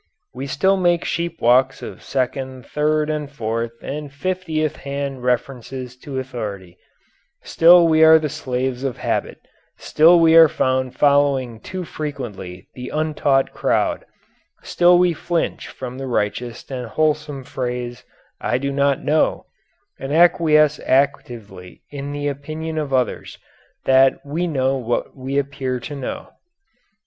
We still make sheep walks of second, third and fourth, and fiftieth hand references to authority; still we are the slaves of habit, still we are found following too frequently the untaught crowd, still we flinch from the righteous and wholesome phrase "I do not know" and acquiesce actively in the opinion of others that we know what we appear to know.